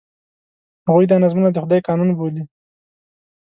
هغوی دا نظمونه د خدای قانون بولي.